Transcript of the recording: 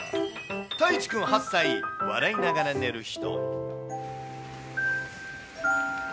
たいちくん８か月、笑いながら寝る人。